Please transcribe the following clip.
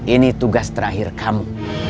ini tugas terakhir kamu